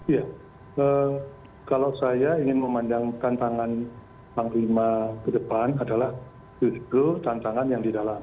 ya kalau saya ingin memandang tantangan panglima ke depan adalah justru tantangan yang di dalam